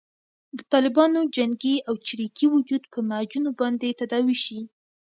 د طالبانو جنګي او چریکي وجود په معجونو باندې تداوي شي.